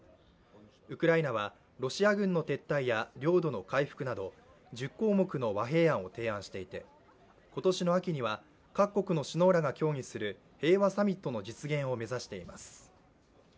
ウクライナはロシア軍の撤退や領土の回復など１０項目の和平案を提案していて、今年の秋には各国の首脳らが協議する平和サミットの実現を目指しています。